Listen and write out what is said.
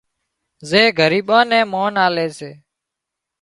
زي ڳريٻان نين مانَ آلي سي